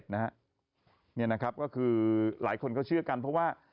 นี่นะครับก็คือหลายคนก็เชื่อกันเพราะว่า